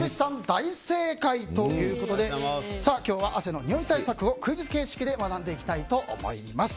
大正解ということで今日は汗のにおい対策をクイズ形式で学んでいきたいと思います。